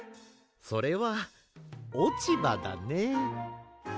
それはおちばだね。